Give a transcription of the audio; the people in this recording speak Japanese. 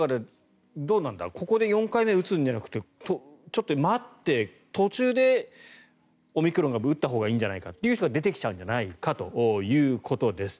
だからここで４回目打つんじゃなくてちょっと待って途中でオミクロン株のほうを打ったほうがいいんじゃないかという人が出てくるんじゃないかということです。